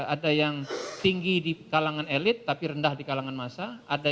ada yang tinggi di kalangan elit tapi rendah di kalangan masa